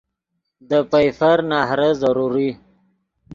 دے پئیفر نہرے ضروری